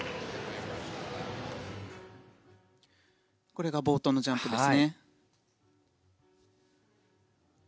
これが冒頭のジャンプですね。